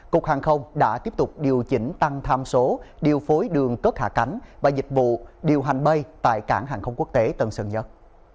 cục hàng không đã tiếp tục điều chỉnh tăng tham số điều phối đường cất hạ cánh và dịch vụ điều hành bay tại cảng hàng không quốc tế tân sơn nhất